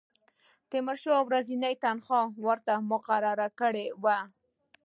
تیمورشاه ورځنۍ تنخوا ورته مقرره کړې وه.